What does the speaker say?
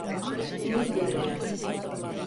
Temiz görünüyor.